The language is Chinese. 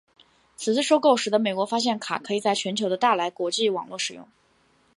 此次收购使得美国发现卡可以在全球的大来国际网络使用。